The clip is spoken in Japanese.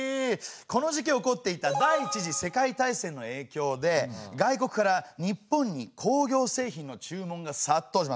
この時期起こっていた第一次世界大戦のえいきょうで外国から日本に工業製品の注文が殺到します。